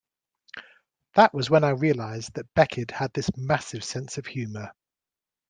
That was when I realised that Beckett had this massive sense of humour.